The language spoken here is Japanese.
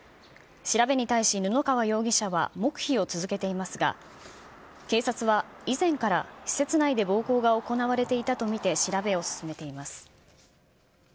調べに対し、布川容疑者は黙秘を続けていますが、警察は、以前から施設内で暴行が行われていたと見て、調べを進めています。